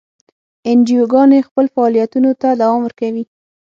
انجیوګانې خپلو فعالیتونو ته دوام ورکوي.